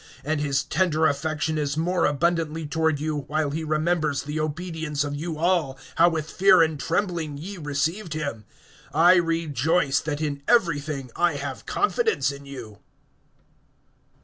(15)And his tender affection is more abundantly toward you, while he remembers the obedience of you all, how with fear and trembling ye received him. (16)I rejoice, that in every thing I have confidence in you.